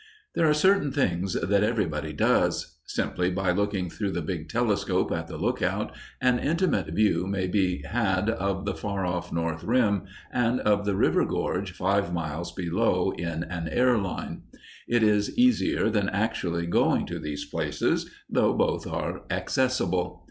There are certain things that everybody does. Simply by looking through the big telescope at the "lookout," an intimate view may be had of the far off north rim and of the river gorge five miles below in an air line. It is easier than actually going to those places, though both are accessible.